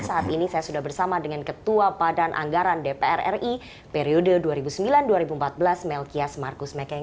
saat ini saya sudah bersama dengan ketua badan anggaran dpr ri periode dua ribu sembilan dua ribu empat belas melkias markus mekeng